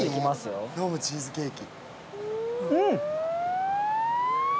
飲むチーズケーキ？